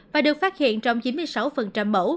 và được phát hiện trong chí mạng